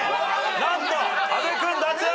何と阿部君脱落。